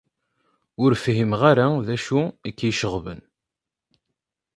Ur fhimeɣ ara d acu ay k-iceɣben.